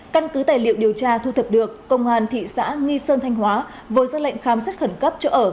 căn cứ tài liệu điều tra thu thập được công an thị xã nghi sơn thanh hóa vừa ra lệnh khám xét khẩn cấp chỗ ở